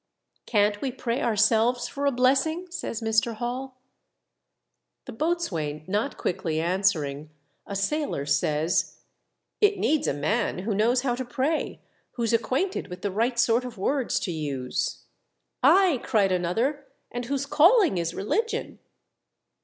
" Can't we pray ourselves for a blessing ?" says Mr. Hall. The boatswain not quickly answering, a sailor says, "It needs a man who knows how to pray — who's acquainted with the right sort of words to use." "Aye," cried another, "and whose calling is religion."